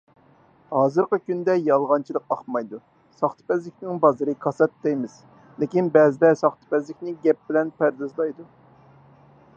ھازىرقى كۈندە يالغانچىلىق ئاقمايدۇ، ساختىپەزلىكنىڭ بازىرى كاسات دەيمىز، لېكىن بەزىلەر ساختىپەزلىكنى گەپ بىلەن پەردازلايدۇ.